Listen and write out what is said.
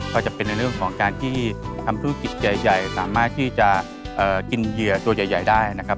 ก็จะเป็นในเรื่องของการที่ทำธุรกิจใหญ่สามารถที่จะกินเหยื่อตัวใหญ่ได้นะครับ